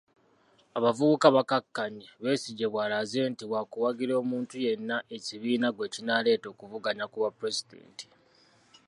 Abavubuka bakakkanye Besigye bw'alaze nti wakuwagira omuntu yenna ekibiina gwe kinaaleeta okuvuganya ku bwa pulezidenti.